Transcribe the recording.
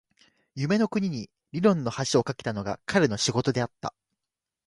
夢の国に論理の橋を架けたのが彼の仕事であった。